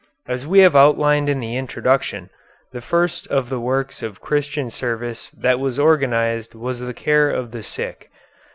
As we have outlined in the Introduction, the first of the works of Christian service that was organized was the care of the sick.